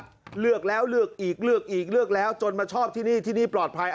ก็เลือกแล้วเลือกอีกเลือกอีกเลือกแล้วจนมาชอบที่นี่ที่นี่ปลอดภัย